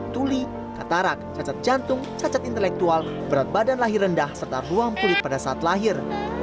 tuli katarak cacat jantung cacat intelektual berat badan lahir rendah serta ruang kulit pada saat lahir